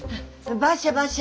バシャバシャ。